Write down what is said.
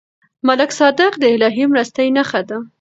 ملک صادق د الهي مرستې نښه ده.